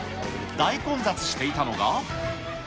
大混雑していたのが。